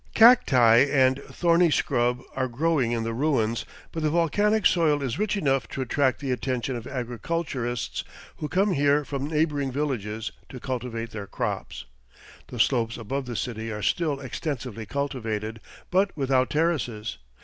Cacti and thorny scrub are growing in the ruins, but the volcanic soil is rich enough to attract the attention of agriculturists, who come here from neighboring villages to cultivate their crops. The slopes above the city are still extensively cultivated, but without terraces.